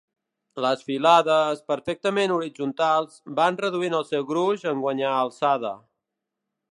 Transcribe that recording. Les filades, perfectament horitzontals, van reduint el seu gruix en guanyar alçada.